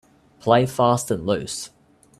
Play fast and loose